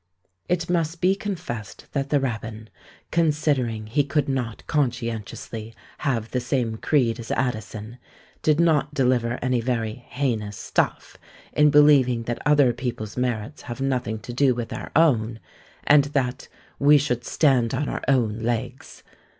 It must be confessed that the rabbin, considering he could not conscientiously have the same creed as Addison, did not deliver any very "heinous stuff," in believing that other people's merits have nothing to do with our own; and that "we should stand on our own legs!"